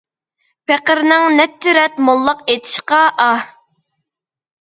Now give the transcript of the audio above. پېقىرنىڭ نەچچە رەت موللاق ئېتىشقا ئاھ!